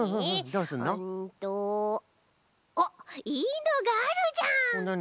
うんとあっいいのがあるじゃん！